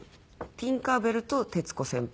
ティンカー・ベルと徹子先輩。